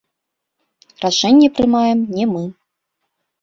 Рашэнне прымаем не мы.